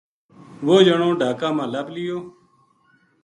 وہ جنو ڈھاکا ما لب لیو